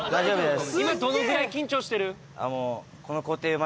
今どのぐらい緊張してる？